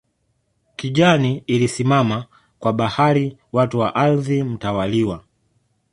Kijani ilisimama kwa bahari watu na ardhi mtawaliwa